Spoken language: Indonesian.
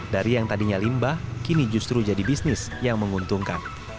dari yang tadinya limbah kini justru jadi bisnis yang menguntungkan